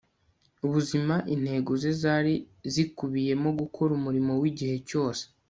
buzima intego ze zari zikubiyemo gukora umurimo w igihe